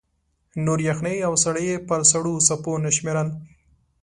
نورې یخنۍ او ساړه یې پر سړو څپو نه شمېرل.